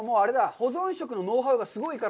保存食のノウハウがすごいから。